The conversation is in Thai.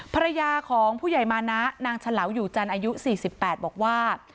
ภรรยาของผู้ใหญ่มานะนางฉะเหลาอยู่จันทร์อายุสี่สิบแปดบอกว่า